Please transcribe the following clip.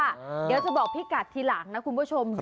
เดี๋ยวจะบอกพี่กัดทีหลังนะคุณผู้ชม